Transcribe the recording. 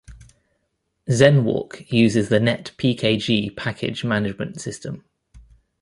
Zenwalk uses the netpkg package management system.